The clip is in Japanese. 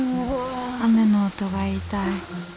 雨の音が痛い。